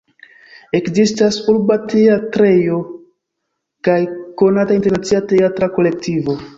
Ekzistas urba teatrejo, kaj konata internacia teatra kolektivo.